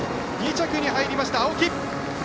２着に入りました、青木。